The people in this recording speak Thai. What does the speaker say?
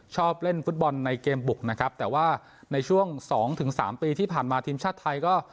ชอบเล่นฟุตบอลในเกมบุกนะครับแต่ว่าในช่วง๒๓ปีที่ผ่านมาทีมชาติไทยก็